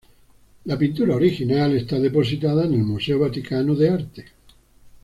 La pintura original está depositada en el museo vaticano de arte.